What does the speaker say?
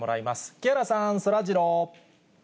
木原さん、そらジロー。